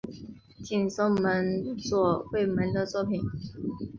近松门左卫门的作品。